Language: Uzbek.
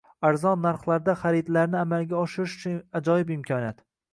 Arzon narxlarda xaridlarni amalga oshirish uchun ajoyib imkoniyat